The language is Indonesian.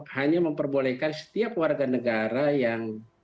hanya memperbolehkan setiap warga negara yang